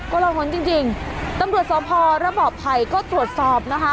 ละหนจริงจริงตำรวจสพระบอบภัยก็ตรวจสอบนะคะ